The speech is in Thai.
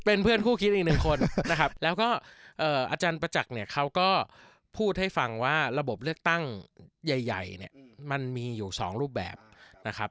เป็นเพื่อนคู่คิดอีกหนึ่งคนนะครับแล้วก็อาจารย์ประจักษ์เนี่ยเขาก็พูดให้ฟังว่าระบบเลือกตั้งใหญ่เนี่ยมันมีอยู่สองรูปแบบนะครับ